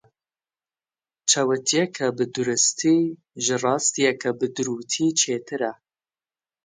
Çewtiyeke bi duristî, ji rastiyeke bi durûtî çêtir e.